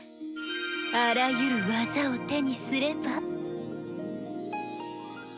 あらゆる技を手にすれば。